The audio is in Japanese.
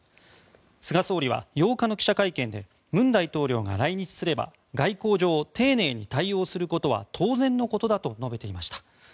菅総理は８日の記者会見で文大統領が来日すれば外交上、丁寧に対応することは当然のことだと述べていました。